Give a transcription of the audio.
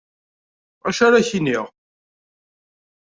Acu ara ak-iniɣ.